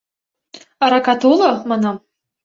«Аракат уло?» — манам.